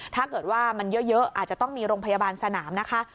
ถ้าเกิดว่ามันเยอะอาจจะต้องมีโรงพยาบาลสนามนะคะ